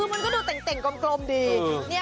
คือมันก็ดูเต่งกลมดี